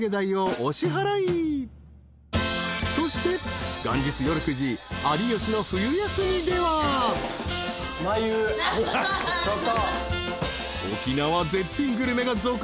［そして元日夜９時『有吉の冬休み』では］出ました